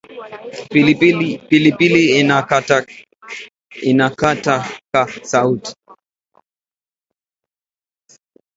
Pilipili inakataka sauti